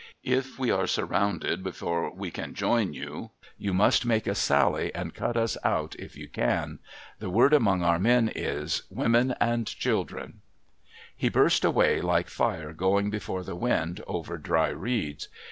If we are surrounded before we can join you, you must make a sally and cut us out if you can. The word among our men is, " Women and children !"' He burst away, like fire going before the wind over dry reeds.